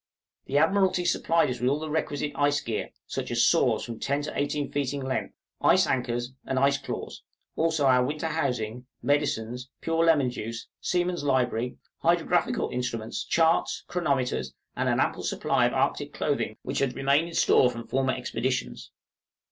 The Admiralty supplied us with all the requisite ice gear, such as saws from ten to eighteen feet in length, ice anchors, and ice claws: also with our winter housing, medicines, pure lemon juice, seamen's library, hydrographical instruments, charts, chronometers, and an ample supply of arctic clothing which had remained in store from former expeditions.